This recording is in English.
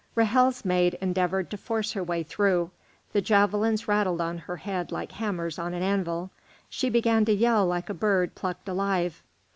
Ra'hel's maid endeavoured to force her way through; the javelins rattled on her head like hammers on an anvil. She began to yell like a bird plucked alive.